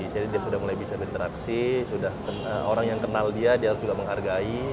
jadi dia sudah mulai bisa berinteraksi orang yang kenal dia dia harus juga menghargai